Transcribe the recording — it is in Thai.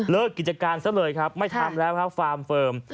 กิจการซะเลยครับไม่ทำแล้วครับฟาร์มเฟิร์ม